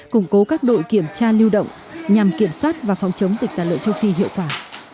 củng cố các đội kiểm tra lưu động nhằm kiểm soát và phòng chống dịch tả lợn châu phi hiệu quả